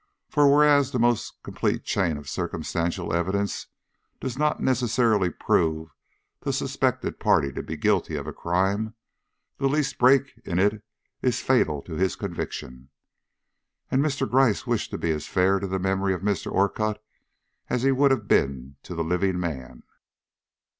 For, whereas the most complete chain of circumstantial evidence does not necessarily prove the suspected party to be guilty of a crime, the least break in it is fatal to his conviction. And Mr. Gryce wished to be as fair to the memory of Mr. Orcutt as he would have been to the living man.